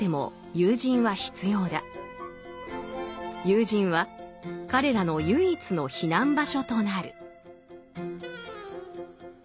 友人は彼らの唯一の避難場所となる。